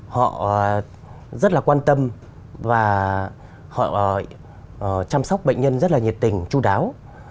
họ rất quan tâm và chăm sóc bệnh nhân rất nhiệt tình chú đáo